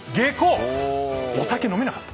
お酒飲めなかった。